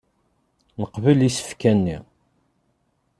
Neqbel isefka-nni.